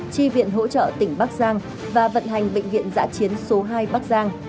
tri viện hỗ trợ tỉnh bắc giang và vận hành bệnh viện dạ chiến số hai bắc giang